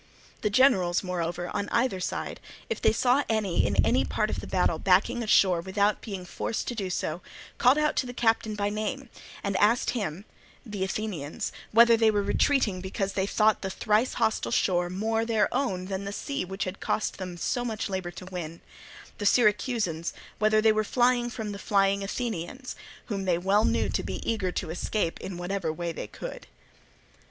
The generals, moreover, on either side, if they saw any in any part of the battle backing ashore without being forced to do so, called out to the captain by name and asked him—the Athenians, whether they were retreating because they thought the thrice hostile shore more their own than that sea which had cost them so much labour to win; the Syracusans, whether they were flying from the flying Athenians, whom they well knew to be eager to escape in whatever way they could.